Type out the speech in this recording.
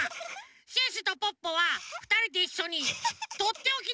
シュッシュとポッポはふたりでいっしょにとっておきのだしものをやります！